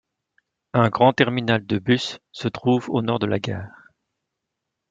Un grand terminal de bus se trouve au nord de la gare.